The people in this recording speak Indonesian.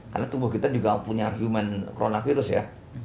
karena tubuh kita juga punya human coronavirus ya